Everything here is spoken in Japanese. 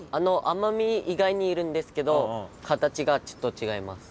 奄美以外にいるんですけど形がちょっと違います。